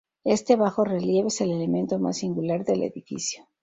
Este bajo relieve es el elemento más singular del edificio.